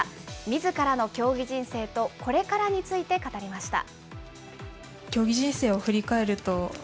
みずからの競技人生とこれからについて語りました。